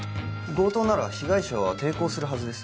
強盗なら被害者は抵抗するはずです